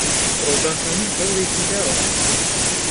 ڕۆژان هەموو هەوڵێکی داوە.